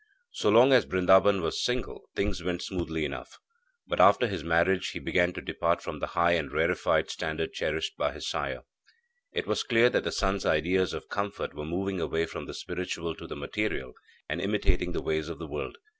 So long as Brindaban was single, things went smoothly enough, but after his marriage he began to depart from the high and rarefied standard cherished by his sire. It was clear that the son's ideas of comfort were moving away from the spiritual to the material, and imitating the ways of the world.